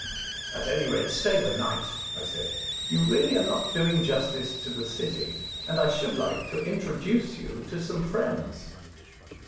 At any rate stay the night," I said. " You are really not doing justice to the city, and I should like to introduce you to some friends."